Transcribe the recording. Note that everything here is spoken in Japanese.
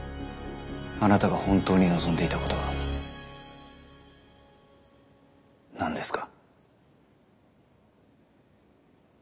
あなたが本当に望んでいたことは何ですか？